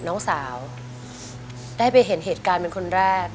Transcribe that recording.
น้องสาวได้ไปเห็นเหตุการณ์เป็นคนแรก